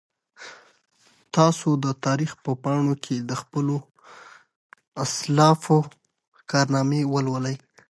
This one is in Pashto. تاسو د تاریخ په پاڼو کې د خپلو اسلافو کارنامې ولولئ.